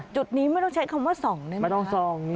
จุดนี้ไม่ต้องใช้คำว่าส่องเลยไหมคะ